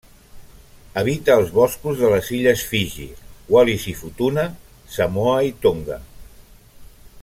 Habita els boscos de les illes Fiji, Wallis i Futuna, Samoa i Tonga.